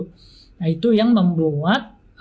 nah itu yang membuat